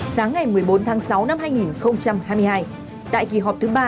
sáng ngày một mươi bốn tháng sáu năm hai nghìn hai mươi hai tại kỳ họp thứ ba